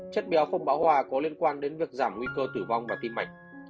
chất béo không báo hòa có liên quan đến việc giảm nguy cơ tử vong và tim mạch